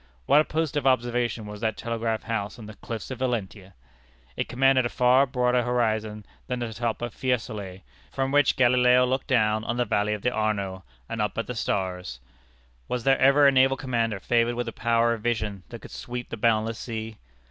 What a post of observation was that telegraph house on the cliffs of Valentia! It commanded a far broader horizon than the top of Fiesolé, from which Galileo looked down on the valley of the Arno, and up at the stars. Was there ever a naval commander favored with a power of vision that could sweep the boundless sea?